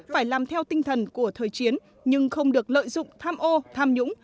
phải làm theo tinh thần của thời chiến nhưng không được lợi dụng tham ô tham nhũng